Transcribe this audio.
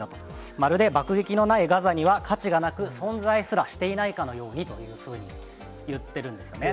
まるで爆撃のないガザには価値がなく、存在すらしていないかのようにというふうに言ってるんですね。